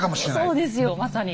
もうそうですよまさに。